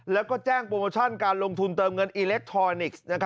แล้วก็แจ้งโปรโมชั่นการลงทุนเติมเงินอิเล็กทรอนิกส์